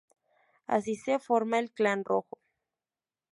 Así se forma el Clan Rojo.